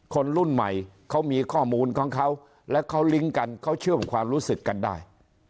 คนรุ่นใหม่เขามีข้อมูลของเขาและเขาลิงก์กันเขาเชื่อมความรู้สึกกันได้